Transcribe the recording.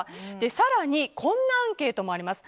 更にこんなアンケートもあります。